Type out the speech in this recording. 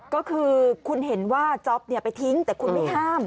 ก็คือคุณเห็นว่าจ๊อปไปทิ้งแต่คุณไม่ห้าม